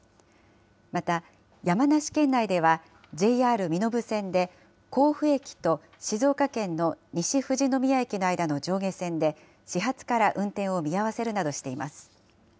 また、山梨県内ではＪＲ身延線で甲府駅と静岡県の西富士宮駅の間の上下線で始発から運転を見合わせるなどしています。